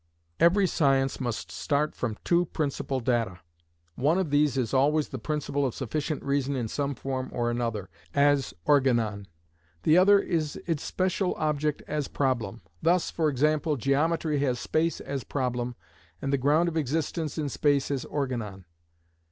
Every science must start from two principal data. One of these is always the principle of sufficient reason in some form or another, as organon; the other is its special object as problem. Thus, for example, geometry has space as problem, and the ground of existence in space as organon.